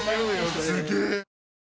すげえ！